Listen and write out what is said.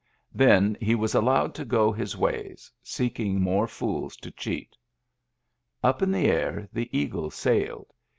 Then he was al lowed to go his ways, seeking more fools to cheat. Up in the air the eagle sailed.